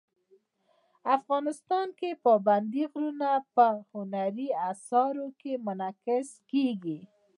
افغانستان کې پابندي غرونه په هنري اثارو کې منعکس کېږي.